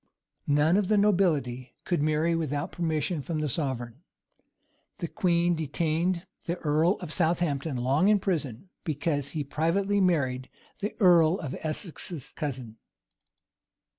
None of the nobility could marry without permission from the sovereign. The queen detained the earl of Southampton long in prison, because he privately married the earl of Essex's cousin.